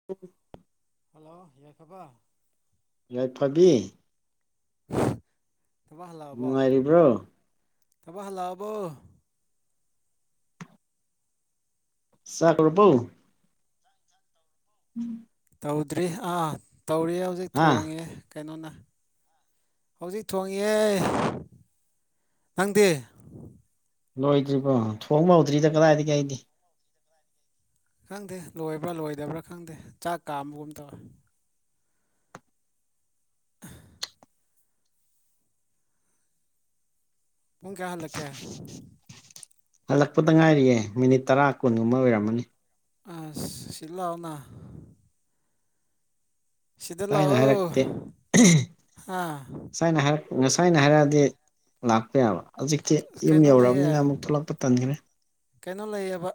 [unintelligible] ꯍꯥꯜꯂꯣ ꯌꯥꯏꯐꯕꯥ ꯌꯥꯏꯐꯕꯤ ꯊꯕꯛ ꯍꯜꯂꯛꯑꯕꯣ ꯅꯨꯡꯉꯥꯏꯔꯤꯕ꯭ꯔꯣ ꯊꯕꯛ ꯍꯜꯂꯛꯑꯕꯣ ꯆꯥꯛꯀ꯭ꯔꯕꯧ ꯎꯝ ꯇꯧꯗ꯭ꯔꯤ ꯑꯥ ꯇꯧꯔꯤꯌꯦ ꯍꯧꯖꯤꯛ ꯍꯥ ꯊꯣꯡꯉꯤꯌꯦ ꯀꯩꯅꯣꯅ ꯍꯧꯖꯤꯛ ꯊꯣꯡꯉꯦ ꯅꯪꯗꯦ ꯂꯣꯏꯗ꯭ꯔꯤꯕꯣ ꯊꯣꯡꯕ ꯍꯧꯧꯗ꯭ꯔꯤꯗ ꯀꯗꯥꯏꯗꯒꯤ ꯑꯩꯗꯤ ꯈꯪꯗꯦ ꯂꯣꯏꯕ꯭ꯔꯥ ꯂꯣꯏꯗꯕ꯭ꯔꯥ ꯈꯪꯗꯦ ꯆꯥꯛ ꯀꯥꯝꯕꯒꯨꯝ ꯇꯧꯋꯦ [unintelligible] ꯄꯨꯡ ꯀꯌꯥ ꯍꯜꯂꯛꯀꯦ ꯍꯜꯂꯛꯄꯗ ꯉꯥꯏꯔꯤꯌꯦꯦ ꯃꯤꯅꯤꯠ ꯇꯔꯥ ꯀꯨꯟꯒꯨꯝꯕ ꯑꯣꯏꯔꯝꯃꯅꯤ ꯑꯁ ꯁꯤ ꯂꯥꯎꯅ ꯁꯤꯗ ꯑꯁꯥꯏꯅ ꯂꯥꯛꯑꯣ ꯍꯥꯏꯔꯛꯇꯦ [unintelligible] ꯍꯥ ꯁꯥꯏꯅ ꯍꯥꯏꯔꯛꯄ ꯉꯁꯥꯏꯅ ꯍꯥꯏꯔꯛꯑꯗꯤ ꯂꯥꯛꯄ ꯌꯥꯕ ꯍꯧꯖꯤꯛ ꯇꯤ ꯌꯨꯝ ꯀꯩꯅꯣ ꯂꯩꯌꯦ ꯌꯧꯑꯔꯕꯅꯤꯅ ꯑꯃꯨꯛ ꯊꯣꯛꯂꯛꯄ ꯇꯟꯈ꯭ꯔꯦ ꯀꯩꯅꯣ ꯂꯩꯌꯦꯕ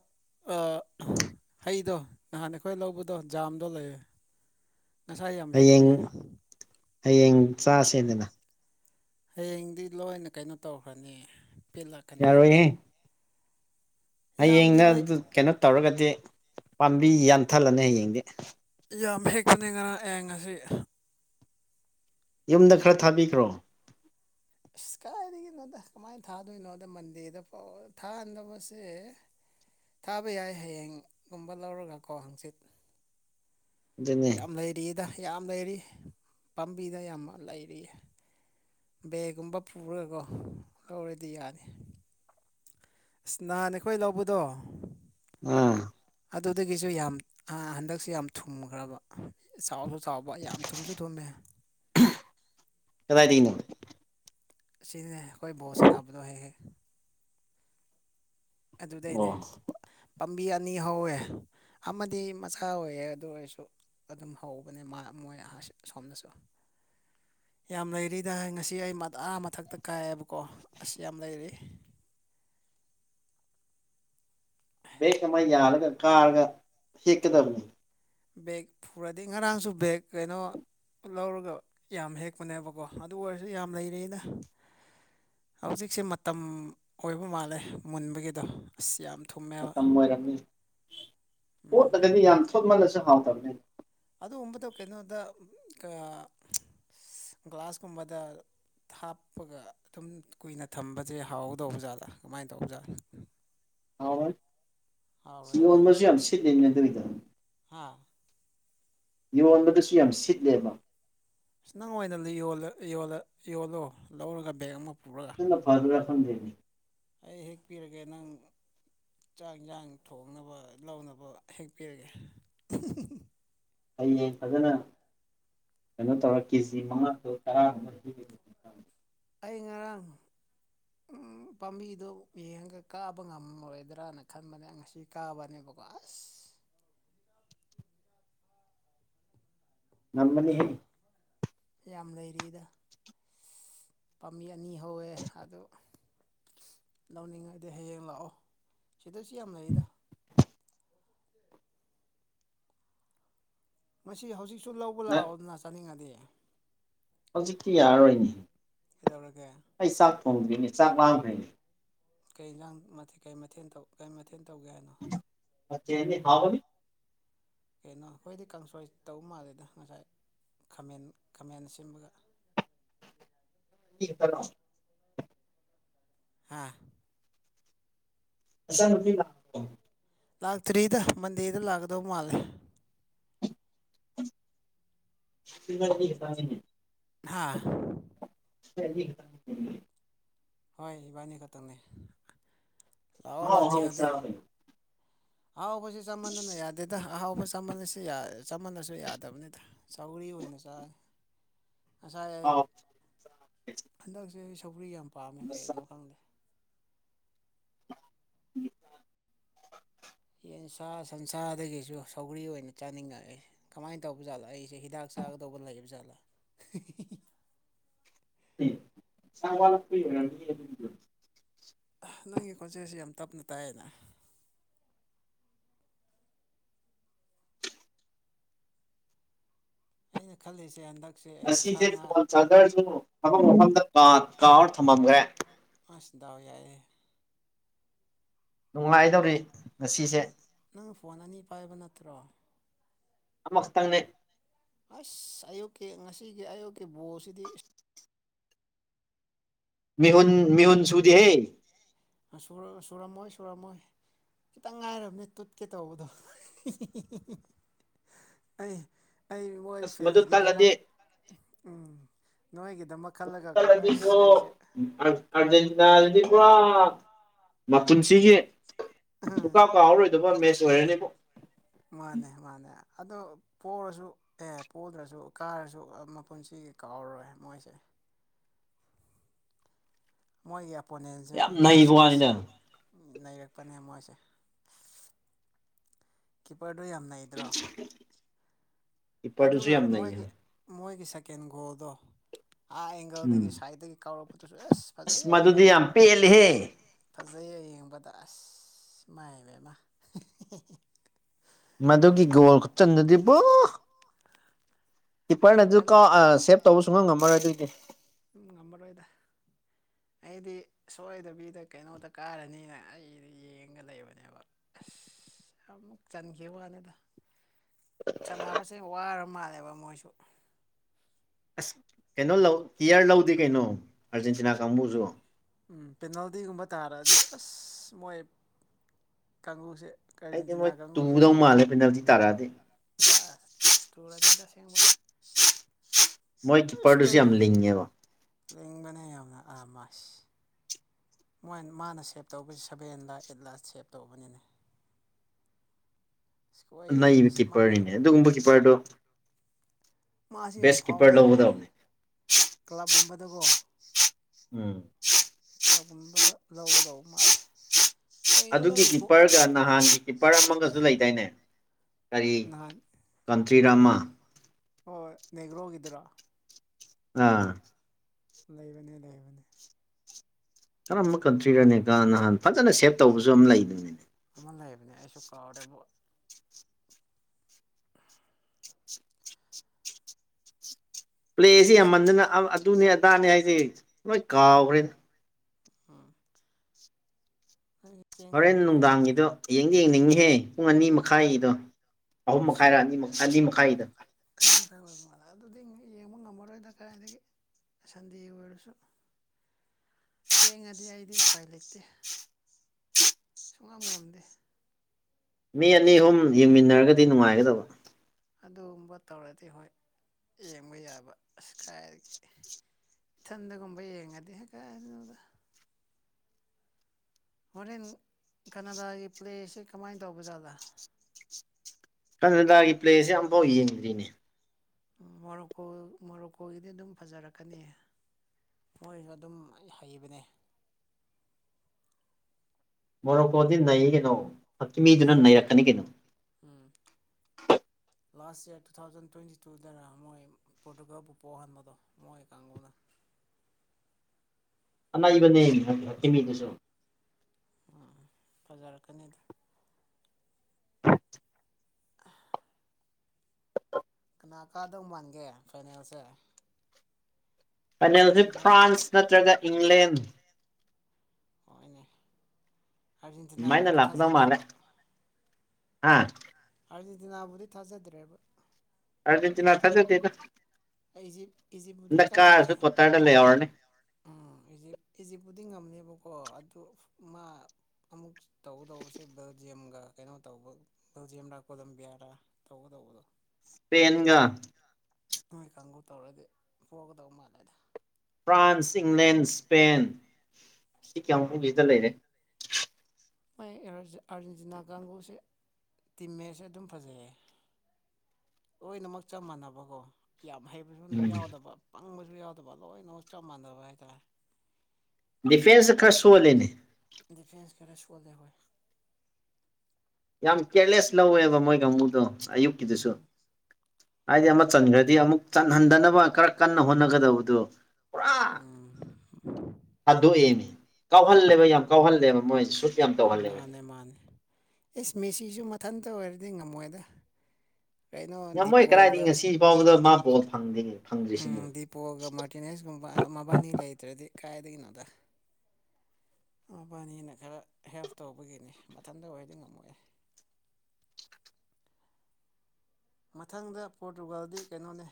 ꯍꯩꯗꯣ ꯅꯍꯥꯟ ꯑꯩꯈꯣꯏ ꯂꯧꯕꯗꯣ ꯖꯥꯝꯗꯣ ꯂꯩꯌꯦ ꯉꯁꯥꯏ ꯌꯥꯝ ꯍꯌꯦꯡ ꯍꯦꯛꯄꯅꯦ ꯍꯌꯦꯡ ꯆꯥꯁꯦꯗꯅ ꯍꯌꯦꯡꯗꯤ ꯂꯣꯏꯅ ꯀꯩꯅꯣ ꯇꯧꯈ꯭ꯔꯅꯤ ꯄꯤꯠꯂꯛꯀꯅꯤ ꯌꯥꯝꯗꯤ ꯍꯌꯦꯡꯉꯅ ꯂꯩ ꯗꯨ ꯀꯩꯅꯣ ꯇꯧꯔꯒꯗꯤ ꯄꯥꯝꯕꯤ ꯌꯥꯟꯊꯠꯂꯅꯤ ꯍꯌꯦꯡꯗꯤ꯫ ꯌꯥꯝ ꯍꯦꯛꯇꯅꯦ ꯉꯔꯥꯡ ꯑꯦ ꯉꯁꯤ ꯌꯨꯝꯗ ꯈꯔ ꯊꯥꯕꯤꯈ꯭ꯔꯣ ꯑꯁ ꯀꯥꯏꯗꯒꯤꯅꯣꯗ ꯀꯃꯥꯏꯅ ꯊꯥꯗꯣꯏꯅꯣꯗ ꯃꯟꯗꯦꯗ ꯄꯥꯎ ꯊꯥꯍꯟꯗꯕꯁꯦ ꯊꯥꯕ ꯌꯥꯏ ꯍꯌꯦꯡꯒꯨꯝꯕ ꯂꯧꯔꯒꯀꯣ ꯍꯪꯆꯤꯠ ꯑꯗꯨꯅꯦ ꯌꯥꯝ ꯂꯩꯔꯤꯗ ꯌꯥꯝ ꯂꯩꯔꯤ ꯄꯥꯝꯕꯤꯗ ꯌꯥꯝ ꯂꯩꯔꯤꯌꯦ꯫ ꯕꯦꯒꯒꯨꯝꯕ ꯄꯨꯔꯒꯣ ꯍꯧꯔꯗꯤ ꯌꯥꯅꯤ꯫ ꯑꯁ ꯅꯥꯍꯥꯟ ꯑꯩꯈꯣꯏ ꯂꯧꯕꯗꯣ ꯎꯝ ꯑꯗꯨꯗꯒꯤꯁꯨ ꯌꯥꯝ ꯍꯟꯗꯛꯁꯨ ꯌꯥꯝ ꯊꯨꯝꯈ꯭ꯔꯕ ꯆꯥꯎꯁꯨ ꯆꯥꯎꯕ ꯌꯥꯝ ꯊꯨꯝꯁꯨ ꯊꯨꯝꯃꯦ ꯀꯗꯥꯏꯗꯒꯤꯅꯣ ꯑꯁꯤꯅꯦ ꯑꯩꯈꯣꯏ ꯕꯣꯜ ꯁꯥꯟꯅꯕꯗꯣ ꯍꯦꯛ ꯍꯦꯛ ꯑꯗꯨꯗꯩꯅꯦ ꯑꯣ ꯄꯥꯝꯕꯤ ꯑꯅꯤ ꯍꯧꯋꯦ ꯑꯃꯗꯤ ꯃꯆꯥ ꯑꯣꯏꯌꯦ ꯑꯗꯨ ꯑꯣꯏꯔꯁꯨ ꯑꯗꯨꯝ ꯍꯧꯕꯅꯦ ꯃꯥ ꯃꯣꯏ ꯁꯣꯝꯗꯁꯨ ꯌꯥꯝ ꯂꯩꯔꯤꯗ ꯉꯁꯤ ꯑꯩ ꯃꯗꯥ ꯃꯊꯛꯇ ꯀꯥꯏꯌꯦꯕꯀꯣ ꯑꯁ ꯌꯥꯝ ꯂꯩꯔꯤ ꯕꯦꯒ ꯑꯃ ꯌꯥꯜꯂꯒ ꯀꯥꯔꯒ ꯍꯦꯛꯀꯗꯕꯅꯤ꯫ ꯕꯦꯒ ꯄꯨꯔꯗꯤ ꯉꯔꯥꯡꯁꯨ ꯕꯦꯒ ꯀꯩꯅꯣ ꯂꯧꯔꯒ ꯌꯥꯝ ꯍꯦꯛꯄꯅꯦꯕꯀꯣ ꯑꯗꯨ ꯑꯣꯏꯔꯁꯨ ꯌꯥꯝ ꯂꯩꯔꯤꯗ꯫ ꯍꯧꯖꯤꯛꯁꯦ ꯃꯇꯝ ꯑꯣꯏꯕ ꯃꯥꯜꯂꯦ ꯃꯨꯟꯕꯒꯤꯗꯣ꯫ ꯑꯁ ꯌꯥꯝ ꯊꯨꯝꯃꯦ ꯃꯇꯝ ꯑꯣꯏꯔꯝꯃꯤ ꯎꯝ ꯑꯣꯠꯂꯒꯗꯤ ꯌꯥꯝ ꯊꯣꯠꯃꯜꯂꯁꯨ ꯍꯥꯎꯇꯕꯅꯤ ꯑꯗꯨꯒꯨꯝꯕꯗ ꯀꯩꯅꯣꯗ ꯑ ꯒ꯭ꯂꯥꯁꯀꯨꯝꯕꯗ ꯊꯥꯞꯄꯒ ꯑꯗꯨꯝ ꯀꯨꯏꯅ ꯊꯝꯕꯁꯦ ꯍꯥꯎꯍꯧꯗꯧꯕꯖꯥꯠꯂꯥ ꯀꯃꯥꯏꯅ ꯇꯧꯕ ꯖꯥꯠꯂ ꯍꯥꯎꯔꫭꯏ ꯍꯥꯎꯔꯣꯏꯕ ꯌꯣꯟꯕꯁꯨ ꯌꯥꯝ ꯁꯤꯠꯂꯤꯅꯦ ꯑꯗꯨꯏꯗꫭ ꯍꯥ ꯌꯣꯟꯕꯗꯁꯨ ꯌꯥꯝ ꯁꯤꯠꯂꯦꯕ ꯑꯁ ꯅꯪ ꯑꯣꯏꯅ ꯂꯤꯌꯣꯜꯂ ꯌꯣꯜꯂ ꯌꯣꯜꯂꯣ ꯂꯧꯔꯒ ꯕꯦꯒ ꯑꯃ ꯄꯨꯔꯒ ꯑꯗꯨꯅ ꯐꯥꯗꯨꯔ ꯈꯪꯗꯦꯅꯤ ꯑꯩ ꯍꯦꯛꯄꯤꯔꯒꯦ ꯅꯪ ꯆꯥꯛ ꯌꯦꯟꯁꯥꯡ ꯊꯣꯡꯅꯕ ꯂꯧꯅꯕ ꯍꯦꯛꯄꯤꯔꯒꯦ [unintelligible] ꯍꯌꯦꯡ ꯐꯖꯅ ꯀꯩꯅꯣ ꯇꯧꯔꯒ ꯀꯦ ꯖꯤ ꯃꯉꯥ ꯇꯔꯨꯛ ꯇꯔꯥꯃꯨꯛ [unintelligible] ꯑꯩ ꯉꯔꯥꯡ ꯎꯝ ꯄꯥꯝꯕꯤꯗꯨ ꯌꯦꯡꯉꯒ ꯀꯥꯕ ꯉꯝꯃꯣꯏꯗ꯭ꯔꯅ ꯈꯟꯕꯅꯦ ꯉꯁꯤ ꯀꯥꯕꯅꯦꯀꯣ ꯀ ꯑꯁ ꯉꯝꯕꯅꯤꯍꯦ꯫ ꯌꯥꯝ ꯂꯩꯔꯤꯗ ꯄꯥꯝꯕꯤ ꯑꯅꯤ ꯍꯧꯋꯦ ꯑ ꯂꯧꯅꯤꯡꯉꯥꯏꯗꯤ ꯍꯌꯦꯡ ꯂꯥꯛꯑꯣ ꯁꯤꯗꯁꯨ ꯌꯥꯝ ꯂꯩꯔꯤꯗ ꯃꯁꯤ ꯍꯧꯖꯤꯛꯁꯨ ꯂꯧꯕ ꯅꯪ ꯂꯥꯛꯑꯣꯗꯅ ꯆꯥꯅꯤꯡꯉꯗꯤ꯫ ꯍꯧꯖꯤꯛꯇꯤ ꯌꯥꯔꯔꯣꯏꯅꯦ꯫ ꯀꯩꯗꯧꯔꯒꯦ ꯑꯩ ꯆꯥꯛ ꯊꯣꯡꯗꯣꯏꯅꯦ ꯆꯥꯛ ꯂꯥꯡꯈ꯭ꯔꯦꯅꯦ ꯀꯩ ꯌꯦꯟꯁꯥꯡ ꯃꯊ ꯀꯩ ꯃꯊꯦꯜ ꯀꯩ ꯃꯊꯦꯜ ꯇꯧꯒꯦ ꯍꯥꯏꯅꯣ ꯃꯊꯦꯟꯗꯤ ꯍꯥꯥꯎꯕꯅꯤ꯫ ꯀꯩꯅꯣ ꯑꯩꯈꯣꯏꯗꯤ ꯀꯥꯡꯁꯣꯏ ꯇꯧ ꯃꯥꯜꯜꯂꯤꯦꯗ ꯉꯁꯥꯏ ꯈꯥꯃꯦꯟ ꯈꯥꯃꯦꯟ ꯁꯦꯝꯃꯒ ꯣ [unintelligible] ꯍꯥꯥ ꯏꯆ ꯅꯨꯄꯤ ꯂꯥꯛ ꯂꯥꯛꯇ꯭ꯔꯤꯗ ꯃꯟꯗꯦꯗ ꯂꯥꯛꯀꯗꯧ ꯃꯥꯜꯂꯦ [inaudible] ꯍꯥꯥ [inaudible] ꯍꯣꯏ ꯏꯕꯥꯅꯤ ꯈꯛꯇꯪꯅꯦ ꯂꯥꯛꯑꯣ ꯑꯍꯥꯎ ꯑꯍꯥꯎꯕ ꯂꯥꯛꯅꯤꯡꯉꯗꯤ꯫ ꯆꯥꯎ ꯀꯩꯅꯣ ꯍꯥꯎ ꯈꯣꯏꯁꯨ ꯆꯞ ꯃꯥꯅꯅ ꯌꯥꯗꯦꯗ꯫ ꯑꯍꯥꯎꯕ ꯆꯝꯃꯜꯂꯁꯤ ꯆꯝꯃꯜꯂꯁꯨ ꯌꯥꯗꯕꯅꯤꯗ ꯆꯧꯔꯤ ꯑꯣꯏꯅ ꯆꯥ ꯉꯁꯥꯏ ꯑꯩ ꯑꯍꯥꯎ ꯍꯟꯗꯛꯁꯦ ꯑꯩ ꯁꯧꯒ꯭ꯔꯤ ꯌꯥꯝ ꯄꯥꯝꯃꯦ ꯀꯩꯒꯤꯅꯣ ꯈꯪꯗꯦ꯫ ꯎ inaudible [inaudible] ꯌꯦꯟꯁꯥ ꯁꯟꯁꯥꯗꯒꯤꯁꯨ ꯁꯧꯒ꯭ꯔꯤ ꯑꯣꯏꯅ ꯆꯥꯅꯤꯡꯉꯛꯑꯦ ꯀꯃꯥꯏꯅ ꯇꯧꯕꯖꯥꯠꯂꯛ ꯑꯩ ꯏꯁꯦ ꯍꯤꯗꯥꯛ ꯆꯥꯒꯗꯧꯕ ꯂꯩꯌꯦꯕ ꯖꯥꯠꯂꯥ unintelligible [unintelligible] ꯑꯍ ꯅꯪꯒꯤ ꯈꯣꯟꯖꯦꯟꯁꯤ ꯌꯥꯝ ꯇꯞꯅ ꯇꯥꯏꯌꯦꯅ꯫ ꯑꯩꯅ ꯈꯜꯂꯤꯁꯦ ꯍꯟꯗꯛ ꯉꯁꯤꯗꯤ ꯐꯣꯟ ꯆꯥꯔꯖꯔꯁꯨ ꯊꯕꯛ ꯃꯐꯝꯗ ꯀꯥ-ꯀꯥꯎꯔ ꯊꯝꯃꯝꯒ꯭ꯔꯦ ꯑꯁ ꯗꯥꯎ ꯌꯥꯏꯌꯦ꯫ ꯅꯨꯡꯉꯥꯏꯗꯧꯔꯤ ꯉꯁꯤꯁꯦ꯫ ꯅꯪ ꯐꯣꯟ ꯑꯅꯤ ꯄꯥꯏꯕ ꯅꯠꯇ꯭ꯔꯣ ꯑꯃ ꯇꯪꯅꯦ ꯑꯁ ꯑꯌꯨꯛꯀꯤ ꯉꯁꯤꯒꯤ ꯑꯌꯨꯛꯀꯤ ꯕꯣꯁꯤꯗꯤ ꯃꯤꯍꯨꯟ ꯃꯤꯍꯨꯟ ꯁꯨꯗꯤ ꯍꯦ꯫ ꯨꯔ ꯆꯨꯔꯃꯣꯏ ꯆꯨꯔꯃꯣꯏ ꯈꯤꯇꯪ ꯉꯥꯏꯔꯕꯅꯦ ꯇꯨꯠꯀꯦ ꯇꯧꯕꯗꯣ ꯍꯤ ꯍꯤ ꯍꯤ ꯍꯤ ꯍꯤ꯫ ꯑꯩ ꯑꯩ ꯃꯣꯏ ꯑꯁ ꯃꯗꯨ ꯇꯜꯂꯗꯤ ꯐꯦꯟꯁꯀꯤꯗꯃꯛ ꯎꯝ ꯅꯣꯏꯒꯤꯗꯃꯛ ꯃꯗꯨ ꯈꯜꯂꯒꯀꯣ ꯑꯩꯁ ꯑꯩꯁꯦ ꯎꯝ꯫ ꯂꯥꯜꯗꯤꯕ꯫ ꯃꯄꯨꯟꯁꯤꯒꯤ ꯁꯨꯛꯀꯥꯎ ꯀꯥꯎꯔꯔꯣꯏꯗꯕ ꯃꯦꯆ ꯑꯣꯏꯔꯅꯤꯕꯨ꯫ ꯃꯥꯅꯦ ꯃꯥꯅꯦ ꯑꯗꯣ ꯄꯣꯛꯔꯁꯨ ꯑꯦ ꯄꯣꯗ꯭ꯔꯁꯨ ꯀꯥꯔꯁꯨ ꯑꯃ ꯃꯄꯨꯟꯁꯤꯒꯤ ꯀꯥꯎꯔꯔꯣꯏ ꯃꯣꯏꯁꯦ ꯃꯣꯏꯒꯤ ꯑꯣꯄꯣꯅꯦꯟꯁꯦ ꯌꯥꯝ ꯅꯩꯕ ꯉꯁꯤ ꯋꯥꯅꯤꯗ ꯅꯩꯔꯛꯄꯅꯦ ꯃꯣꯏꯁꯦ ꯀꯤꯄꯔꯗꯣ ꯌꯥꯝ ꯅꯩꯗ꯭ꯔꯣ꯫ ꯀꯤꯞꯄꯔꯗꯨꯁꯨ ꯑꯗꯨꯒ ꯌꯥꯝ ꯅꯩꯌꯦ ꯃꯣꯏꯒꯤ ꯃꯣꯏꯒꯤ ꯁꯦꯀꯦꯟ ꯒꯣꯜꯗꯣ꯫ ꯑꯥ ꯎꯝ ꯑꯦꯡꯒꯜꯗꯒꯤ ꯁꯥꯏꯠꯇꯒꯤ ꯀꯥꯎꯔꯛꯄꯗꯨꯁꯨ ꯑꯦꯁ ꯑꯁ ꯐꯖꯩꯍꯦ꯫ ꯃꯗꯨꯗꯤ ꯌꯥꯝ ꯄꯦꯜꯂꯤꯍꯦ ꯐꯖꯩꯌꯦ ꯌꯦꯡꯕꯗ ꯑꯁ ꯃꯥꯏꯕꯃ ꯃꯗꯨꯒꯤ ꯒꯣꯜ ꯀꯞꯆꯟꯗꯨꯗꯤꯕꯣ ꯑꯩꯅ ꯀꯤꯞꯄꯔꯅꯁꯨ ꯈꯜ ꯀꯥꯎ ꯁꯦꯞ ꯇꯧꯕꯁꯨꯨꯡ ꯉꯝ ꯉꯝꯃꯔꯣꯏ ꯑꯗꯨꯏꯗꯤ ꯑꯗꯨꯝ ꯉꯝꯃꯔꯣꯏꯗ ꯑꯩꯗꯤ ꯁꯣꯏꯗꯕꯤꯗ ꯀꯩꯅꯣꯗ ꯀꯥꯔꯅꯤꯅ ꯑꯩꯗꯤ ꯌꯦꯡꯉꯒ ꯂꯩꯕꯅꯦꯕ꯫ ꯑꯁ ꯑꯃꯨꯛ ꯆꯟꯈꯤꯕ ꯋꯥꯅꯤꯗ꯫ ꯍ꯫ ꯁꯥꯟꯅꯕꯁꯦ ꯋꯥꯔ ꯃꯥꯜꯂꯦꯕ ꯃꯣꯏꯁꯨ꯫ ꯑꯁ ꯀꯩꯅꯣ ꯂꯧ ꯀꯤꯌꯥꯔ ꯂꯧꯗꯦ ꯀꯩꯅꯣ ꯑꯔꯖꯦꯟꯇꯤꯅꯥ ꯀꯥꯡꯕꯨꯁꯨ꯫ ꯎꯝ ꯄꯦꯅꯥꯜꯇꯤꯒꯨꯝꯕ ꯇꯥꯔꯛꯗꯤ ꯑꯁ ꯃꯣꯏ ꯀꯥꯡꯒꯨꯁꯦ꯫ ꯑꯩꯗꯤ ꯃꯣꯏ ꯇꯨꯗꯧ ꯃꯥꯜꯂꯦ ꯄꯦꯅꯥꯜꯇꯤ ꯇꯥꯔꯛꯑꯗꯤ꯫ ꯇꯁ ꯇꯨꯔꯅꯤꯗ ꯑꯁꯦꯡꯕ꯫ ꯃꯣꯏ ꯀꯤꯞꯄꯔꯗꯨꯁꯨ ꯌꯥꯝ ꯂꯤꯡꯉꯦꯕ ꯂꯤꯡꯕꯅ ꯌꯥꯝꯅ ꯑꯥ ꯃꯥꯁ꯫ ꯃꯣꯏ ꯃꯥꯅ ꯁꯦꯞ ꯇꯧꯕꯁꯤ ꯁꯚꯦꯟꯗ ꯑꯦꯠ ꯂꯥꯁ ꯁꯦꯞ ꯇꯧꯕꯅꯤꯅꯦ ꯑꯩꯁꯦ ꯑꯅꯩꯕ ꯑꯁ ꯃꯥ ꯀꯤꯞꯄꯔꯅꯤꯅꯦ ꯑꯗꯨꯒꯨꯝꯕ ꯀꯤꯞꯄꯔꯗꯣ꯫ ꯃꯥꯁꯦ ꯌꯥꯝ ꯕꯦꯁ ꯀꯤꯞꯄꯔ ꯐꯥꯎꯒꯗꯧ ꯃꯥꯜꯂꯦ ꯂꯧꯒꯗꯕꯅꯦ ꯀ꯭ꯂꯕꯒꯨꯝꯕꯗꯀꯣ꯫ ꯎꯝ ꯀ꯭ꯂꯕꯒꯨꯝꯕꯗ ꯂꯧꯒꯗꯧꯕ ꯃꯥꯜꯂꯦ ꯀꯩꯅꯣ ꯑꯗꯨꯒꯤ ꯅꯪꯒꯤꯀꯣ ꯀꯤꯞꯄꯔꯒ ꯅꯍꯥꯟꯒꯤ ꯀꯤꯞꯄꯔ ꯑꯃꯒꯁꯨ ꯂꯩꯗꯥꯣꯏꯅꯦ ꯀꯔꯤ ꯅꯍꯥꯟ ꯀꯟꯇ꯭ꯔꯤ ꯅꯍꯥꯟ ꯔꯥꯃ꯫ ꯍꯣꯏ ꯅꯦꯒ꯭ꯔꯣꯒꯤꯗꯨꯔꯣ꯫ ꯑꯥ꯫ ꯂꯩꯕꯅꯦ ꯂꯩꯕꯅꯦ꯫ ꯀꯔꯝꯕ ꯀꯟꯇ꯭ꯔꯤꯔꯅꯦꯒ ꯅꯍꯥꯟ ꯐꯖꯅ ꯁꯦꯞ ꯇꯧꯕꯁꯨ ꯑꯃ ꯂꯩꯗꯅꯤꯅꯦ ꯑꯃ ꯂꯩꯕꯅꯦ ꯑꯩꯁꯨ ꯀꯥꯎꯔꯦꯕꯣꯠ꯫ [inaudible] ꯆꯤꯠ ꯆꯤꯠ꯫ ꯄ꯭ꯂꯦꯁꯤ ꯅꯪꯒꯤꯁꯦ ꯌꯥꯝꯃꯟꯗꯅ ꯑꯗꯨꯅꯦ ꯑꯗꯥꯅꯦ ꯍꯥꯏꯁꯦ ꯂꯣꯏ ꯀꯥꯎꯈ꯭ꯔꯦꯗ꯫ ꯎꯝ꯫ ꯑꯥꯏ꯫ ꯍꯣꯔꯦꯟ ꯅꯨꯡꯗꯥꯡꯒꯤꯗꯣ ꯌꯦꯡꯗ ꯌꯦꯡꯅꯤꯡꯉꯤꯍꯦ ꯄꯨꯡ ꯑꯅꯤ ꯃꯈꯥꯏꯒꯤꯗꯣ ꯑꯍꯨꯝ ꯑꯁ ꯃꯈꯥꯏꯔ ꯑꯗꯨ ꯑꯅꯤ ꯑꯅꯤ ꯃꯈꯥꯏꯗ ꯑꯅꯤ ꯃꯈꯥꯏ ꯑꯣꯏꯕ ꯃꯥꯂꯦ ꯑꯗꯨꯗꯤ ꯌꯦꯡꯕ ꯉꯝꯃꯔꯣꯏꯗ ꯀꯗꯥꯏꯗꯒꯤ ꯁꯟꯗꯦ ꯑꯣꯏꯔꯁꯨ ꯊꯦꯡꯉꯗꯤ ꯑꯩꯗꯤ ꯎꯄꯥꯏ ꯂꯩꯇꯦ ꯁꯨꯡꯉꯝ ꯉꯝꯗꯦ꯫ ꯃꯤ ꯑꯅꯤ ꯑꯍꯨꯝ ꯌꯦꯡꯃꯤꯟꯅꯔꯒꯗꯤ ꯅꯨꯡꯉꯥꯏꯒꯗꯕ ꯑꯗꯨꯒꯨꯝꯕ ꯇꯧꯔꯗꯤ ꯍꯣꯏ ꯌꯦꯡꯕ ꯌꯥꯕ ꯑꯁꯀꯥꯏꯗꯒꯤ ꯏꯊꯟꯗꯒꯨꯝꯕ ꯌꯦꯡꯉꯗꯤ ꯍꯦꯛ ꯀꯅꯣꯗ ꯍꯣꯔꯦꯟ ꯀꯅꯥꯗꯥꯒꯤ ꯄ꯭ꯂꯦꯁꯤ ꯀꯃꯥꯏꯅ ꯇꯧꯕ ꯖꯥꯠꯂ꯫ ꯀꯅꯥꯗꯥꯒꯤ ꯄ꯭ꯂꯦꯁꯦ ꯑꯃꯝꯐꯥꯎ ꯌꯦꯡꯗꯔꯤꯅꯦ꯫ ꯝ ꯃꯣꯔꯣꯛꯀꯣ ꯃꯣꯔꯣꯛꯀꯣꯒꯤꯗꯤ ꯑꯗꯨꯝ ꯐꯖꯔꯛꯀꯅꯤ ꯃꯣꯏꯁꯨ ꯑꯗꯨꯝ ꯍꯩꯕꯅꯦ꯫ ꯃꯣꯔꯣꯀꯣꯗꯤ ꯅꯩꯌꯦ ꯀꯩꯅꯣ꯫ ꯍꯛꯀꯤꯃꯤꯗꯨꯅ ꯅꯩꯔꯛꯀꯅꯤ ꯀꯩꯅꯣ [inaudible] ꯂꯥꯁ ꯌꯌꯥꯔ ꯇꯨ ꯊꯥꯎꯖꯟ ꯇ꯭ꯋꯦꯟꯇꯤ ꯇꯨꯗꯅ ꯃꯣꯏ ꯄꯣꯔꯇꯨꯒꯜ ꯄꯣꯍꯟꯕꯗꯣ ꯃꯣꯏ ꯀꯥꯡꯕꯨꯧꯅ꯫ ꯑꯅꯩꯕꯅꯦ ꯍꯥꯏꯃꯤꯗꯨꯁꯨ ꯑꯝ ꯐꯖꯔꯛꯀꯅꯤꯗ꯫ ꯑꯥ꯫ ꯀꯅꯥ ꯀꯥꯗꯧ ꯃꯥꯟꯒꯦ ꯐꯥꯏꯅꯦꯜꯁꯦ ꯑꯅꯦꯛ ꯍꯧꯖꯤꯛ ꯋꯤꯟꯅꯔ ꯐ꯭ꯔꯥꯟꯁ ꯅꯠꯇ꯭ꯔꯒ ꯏꯪꯂꯦꯟ ꯍꯣꯏꯅꯦ ꯑꯗꯨꯃꯥꯏꯅ ꯑꯥꯔꯖꯦꯟꯇꯤꯅꯥꯕꯨꯗꯤ ꯂꯥꯛꯀꯗꯧ ꯃꯥꯜꯂꯦ ꯊꯥꯖꯗꯦꯕ ꯍꯥ꯫ ꯑꯥꯔꯖꯦꯟꯇꯤꯅꯥꯕꯨꯗꯤ ꯊꯥꯖꯗ꯭ꯔꯦꯕ ꯑꯔꯖꯦꯟꯇꯤꯅꯥ ꯊꯖꯗꯦꯅ ꯑꯩꯖꯤꯞ꯫ ꯍꯟꯗꯛ ꯀꯥꯔꯁꯨ ꯀꯣꯇꯔꯗ ꯂꯩꯍꯧꯔꯅꯤ ꯎꯝ ꯏꯞ ꯏꯖꯤꯞꯄꯨꯗꯤ ꯉꯝꯅꯦꯕꯀꯣ ꯑꯗꯨ ꯃꯥ ꯑꯃꯨꯛ ꯇꯧꯗꯧꯕꯁꯤ ꯕꯦꯜꯖꯤꯌꯝꯒ ꯀꯩꯅꯣ ꯇꯧꯕ꯫ ꯂꯧꯖꯂ ꯀꯣꯂꯝꯕꯤꯌꯥꯔꯥ ꯇꯧꯕꯒ ꯇꯧꯕꯗꯣ ꯄꯦꯟꯒꯥ ꯅꯣꯏ ꯀꯥꯡꯒ ꯇꯧꯔꯗꯤ ꯄꯣꯛꯒꯗꯧ ꯃꯥꯜꯂꯦꯗ ꯐ꯭ꯔꯥꯟꯁ ꯏꯪꯂꯦꯟ ꯁ꯭ꯄꯦꯟ ꯁꯤ ꯀꯌꯥꯃꯨꯝꯁꯤꯗ ꯂꯩꯔꯦ ꯍꯣꯏ ꯑꯥꯔꯖꯦꯟꯇꯤꯅꯥ ꯀꯥꯡꯒꯨꯁꯦ ꯇꯤꯝ ꯃꯦꯠꯁꯦ ꯑꯗꯨꯝ ꯐꯖꯩꯌꯦ꯫ ꯂꯣꯏꯅꯃꯛ ꯆꯞ ꯃꯥꯟꯅꯕꯀꯣ ꯌꯥꯝ ꯍꯩꯕ ꯎꯝ ꯌꯥꯎꯗꯕ ꯄꯪꯕꯁꯨ ꯌꯥꯎꯗꯕ ꯂꯣꯏꯅꯃꯛ ꯆꯞ ꯃꯥꯟꯅꯕ ꯍꯥꯏꯇꯥꯔꯦ꯫ ꯗꯤꯐꯦꯁ ꯗꯤꯐꯦꯟꯁ ꯈꯔ ꯁꯣꯜꯗ ꯍ ꯌꯥꯝ ꯀꯦꯌꯔꯂꯦꯁ ꯂꯧꯋꯦꯕ ꯃꯣꯏꯒ ꯑꯃꯨꯗꯣ ꯑꯌꯨꯛꯀꯤꯗꯨꯁꯨ ꯎꯝ ꯍꯥꯏꯗꯤ ꯑꯃ ꯆꯟꯈ꯭ꯔꯗꯤ ꯑꯃꯨꯛ ꯆꯟꯍꯟꯗꯅꯕ ꯈꯔ ꯀꯟꯅ ꯍꯣꯠꯅꯒꯗꯕꯗꯨꯣ ꯎ ꯊꯥꯗꯣꯛꯑꯦꯃꯤ ꯀꯥꯎꯍꯜꯂꯦꯕ ꯌꯥꯝ ꯀꯥꯎꯍꯜꯂꯦꯕ ꯃꯣꯏꯦ ꯁꯨꯠ ꯌꯥꯝ ꯇꯧꯍꯜꯂꯦꯕ ꯅꯦꯃꯥꯟꯅꯦ꯫ ꯑꯦꯁ ꯃꯦꯁꯤꯁꯨ ꯃꯊꯟꯇ ꯑꯣꯏꯔꯗꯤ ꯉꯝꯃꯣꯏꯗ ꯀꯩꯅꯣ ꯉꯝꯃꯣꯏ ꯗꯤꯄꯣꯒ ꯀꯗꯥꯏꯗꯒꯤ ꯉꯁꯤ ꯐꯥꯎꯕꯗ ꯃꯥ ꯕꯣꯜ ꯐꯪꯗꯦꯅꯦ ꯐꯪꯗ꯭ꯔꯤꯁꯤꯅꯦ꯫ ꯄꯣꯜꯒ ꯃꯥꯔꯇꯤꯅꯦꯁꯀ ꯃꯕꯥꯅꯤ ꯂꯩꯇ꯭ꯔꯗꯤ ꯀꯗꯥꯥꯏꯗꯒꯤꯅꯣꯗ꯫ ꯃꯕꯥꯅꯤꯅ ꯈꯔ ꯍꯦꯜꯞ ꯇꯧꯕꯒꯤꯅꯤ ꯃꯊꯟꯇ ꯑꯣꯏꯔꯗꯤ ꯉꯝꯃꯣꯏꯌꯦ꯫ ꯃꯊꯪꯗ ꯄꯣꯔꯇꯨꯒꯥꯜꯗꯤ ꯀꯩꯅꯣꯅꯤ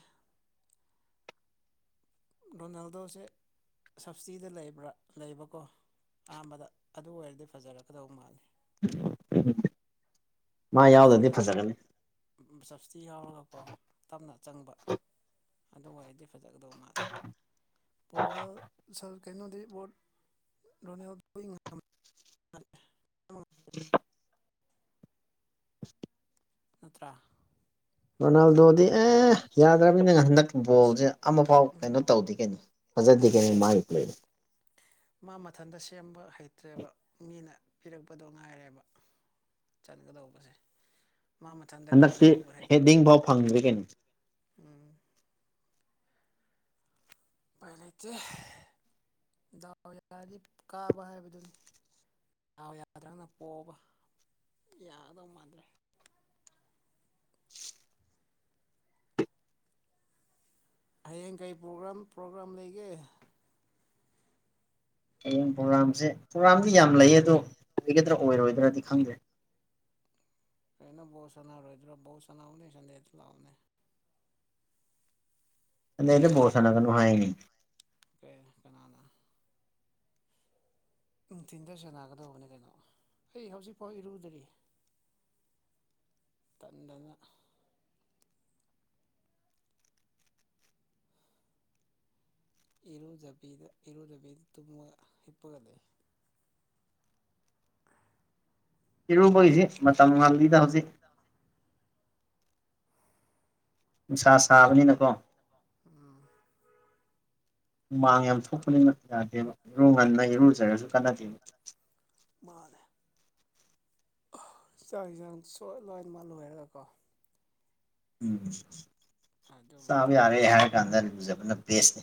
ꯔꯣꯅꯥꯜꯗꯣꯁꯦ꯫ ꯁꯞꯁꯇꯤꯗ ꯂꯩꯕ꯭ꯔꯥ ꯂꯩꯕꯀꯣ ꯑꯍꯥꯟꯕꯗ ꯑꯗꯨ ꯑꯣꯏꯔꯗꯤ ꯐꯖꯔꯛꯀꯗꯧ ꯃꯥꯜꯂꯤ ꯎ ꯃꯥ ꯌꯥꯎꯗ꯭ꯔꯗꯤ ꯐꯖꯒꯅꯤ ꯁꯞꯁꯤꯇꯤ ꯌꯥꯎꯔꯒꯀꯣ ꯇꯞꯅ ꯆꯪꯕ ꯑꯗꯨ ꯑꯣꯏꯔꯗꯤ꯫ ꯐꯖꯒꯗꯧꯕ ꯃꯥꯜꯂꯦ ꯄꯣꯔꯇꯨꯒꯜ꯫ ꯁꯥꯔ ꯀꯩꯅꯣꯗꯤ ꯂꯅꯦ ꯅꯠ꯫ [unintelligible] [inaudible] ꯅꯠꯇ꯭ꯔꯥ ꯔꯣꯅꯥꯜ ꯗꯣꯗꯤ ꯑꯦ ꯌꯥꯗ꯭ꯔꯕꯅꯤꯅꯦ ꯍꯟꯗꯛꯀꯤ ꯕꯣꯜꯁꯦ ꯑꯃꯐꯥꯎ ꯀꯩꯅꯣ ꯇꯧꯗꯤ ꯀꯩꯅꯣ ꯐꯖꯗꯦ ꯀꯩꯅ ꯌꯥꯗ꯭ꯔꯦ ꯃꯥꯏꯄ꯭ꯂꯦꯁꯦ꯫ ꯃꯥ ꯃꯊꯟꯇ ꯁꯦꯝꯕ ꯍꯩꯇ꯭ꯔꯦꯕ ꯃꯤꯅ ꯄꯤꯔꯛꯄꯗꯣ ꯉꯥꯏꯔꯦꯕ꯫ ꯆꯟꯒꯗꯧꯕꯁꯦ ꯃꯥ ꯃꯊꯪ ꯍꯟꯗꯛꯁꯤ ꯍꯦꯗꯤꯡ ꯐꯥꯎ ꯐꯪꯉꯤꯕ ꯀꯩꯅꯣ ꯎꯝ ꯄꯥꯏ ꯂꯩꯇꯦ ꯗꯥꯎ ꯌꯥꯔꯗꯤ ꯀꯥꯕ ꯍꯥꯏꯕꯗꯨꯅꯤ ꯎ ꯌꯥꯗ꯭ꯔꯪꯅ ꯄꯣꯛꯕ ꯌꯥꯒꯗꯧ ꯃꯥꯟꯗ꯭ꯔꯦ ꯍꯌꯦꯡ ꯀꯔꯤ ꯄ꯭ꯔꯣꯒ꯭ꯔꯥꯝ ꯄ꯭ꯔꯣꯒ꯭ꯔꯥꯝ ꯂꯩꯒꯦ ꯍꯌꯦꯡ ꯄ꯭ꯔꯣꯒꯥꯝꯁꯦ ꯄ꯭ꯔꯣꯒ꯭ꯔꯥꯝꯗꯤ ꯌꯥꯝ ꯂꯩꯌꯦ ꯑꯗꯣ ꯑꯣꯏꯒꯗ꯭ꯔꯥ ꯑꯣꯏꯔꯣꯏꯗ꯭ꯔꯗꯤ ꯈꯪꯗꯦ꯫ ꯐꯩꯅꯣ ꯕꯎ ꯁꯥꯅ ꯔꯍꯤꯗ꯭ꯔꯣ ꯎ ꯁꯅꯥꯅꯥꯎꯅꯤ ꯁꯟꯗꯦꯇꯂꯥꯎꯅꯤ ꯑꯩꯅ ꯁꯥꯟꯅ ꯀꯅꯣ ꯍꯥꯏꯅꯤ ꯀ ꯀꯅꯥꯅ ꯅꯨꯡꯊꯤꯟꯗꯔ ꯁꯦꯅꯥꯒꯗꯧꯕꯅꯦ ꯀꯩꯅꯣ ꯑꯩ ꯍꯧꯖꯤꯛꯐꯥꯎ ꯏꯔꯨꯗ꯭ꯔꯤ ꯇꯟꯗꯅ ꯏꯔꯨꯖꯕꯤꯗ ꯏꯔꯨꯖꯕꯤꯗ ꯇꯨꯝꯃꯒ ꯍꯤꯞꯄꯒ ꯂꯩ ꯏꯤꯔꯨꯕꯒꯤꯁꯤ ꯃꯇꯝ ꯃꯒꯤꯗ ꯍꯧꯖꯤꯛ ꯁ [unintelligible] ꯎꯝ ꯃꯃꯥꯡ ꯌꯥꯝ ꯊꯣꯛꯄꯅꯤ ꯌꯥꯗꯦꯕ ꯏꯔꯨ ꯉꯟꯅ ꯏꯔꯨꯖꯔꯒꯁꯨ ꯀꯥꯟꯅꯗꯦꯕ ꯃꯥꯅꯦ ꯆꯥꯛ ꯏꯟꯖꯥꯡ ꯁꯣꯏ ꯂꯣꯏꯅꯃ ꯂꯣꯏꯔꯒꯀꯣ꯫ ꯎꯝ ꯑꯗꯨ ꯆꯥꯕ ꯃꯇꯪ ꯌꯥꯔꯦ ꯍꯥꯏꯔ ꯀꯥꯟꯗ ꯎꯨꯖꯕꯅ ꯕꯦꯁꯅꯦ